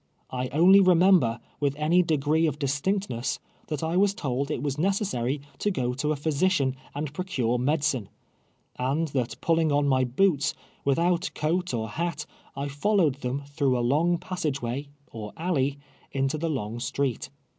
I only I'emember, with any degree of distinctness, that I was told it was necessary to go to a physician and procure medicine, and that pulling on my boots, without coat or hat, I fullowed tiieni through a lung passage way, or alley, into the open street.